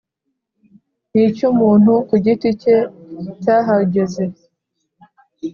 n icy umuntu ku giti cye cyahageze